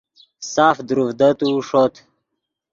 ساف دروڤدتو ݰوت